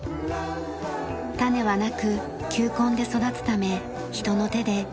種はなく球根で育つため人の手で植えられています。